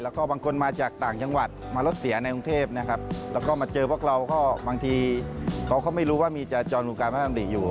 แล้วก็บางคนมาจากต่างจังหวัดมารถเสียในกรุงเทพนะครับแล้วก็มาเจอพวกเราก็บางทีเขาก็ไม่รู้ว่ามีจาจรวงการพระดำริอยู่